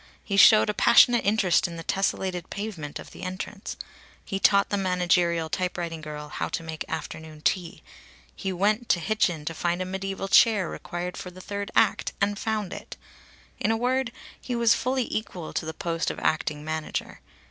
He showed a passionate interest in the tessellated pavement of the entrance. He taught the managerial typewriting girl how to make afternoon tea. He went to Hitchin to find a mediæval chair required for the third act, and found it. In a word he was fully equal to the post of acting manager.